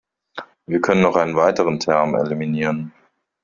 Wir können noch einen weiteren Term eliminieren.